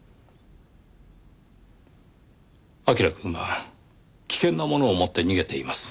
彬くんは危険なものを持って逃げています。